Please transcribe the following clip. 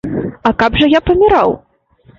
А каб жа я паміраў?